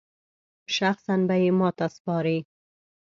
شخصاً به یې ماته سپاري.